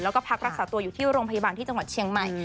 แล้วก็พักรักษาตัวอยู่ที่โรงพยาบาลที่จังหวัดเชียงใหม่